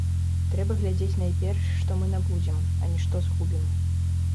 Трэба глядзець найперш, што мы набудзем, а не што згубім.